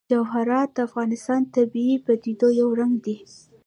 جواهرات د افغانستان د طبیعي پدیدو یو رنګ دی.